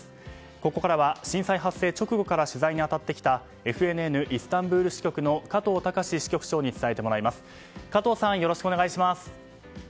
ここからは震災発生直後から取材に当たってきたＦＮＮイスタンブール支局の加藤崇支局長に伝えてもらいます。